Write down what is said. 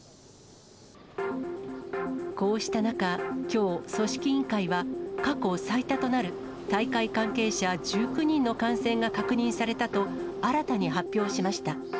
こうした中、きょう、組織委員会は過去最多となる、大会関係者１９人の感染が確認されたと、新たに発表しました。